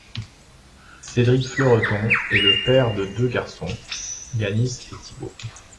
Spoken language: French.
Cédric Fleureton est le père de deux garçons, Yanis et Thibo.